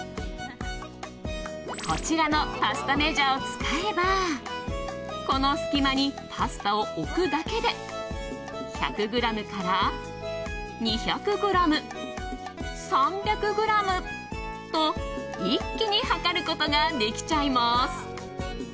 こちらのパスタメジャーを使えばこの隙間にパスタを置くだけで１００ｇから２００ｇ３００ｇと一気に量ることができちゃいます。